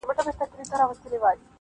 د دې خلګو قریبان دي او دوستان دي,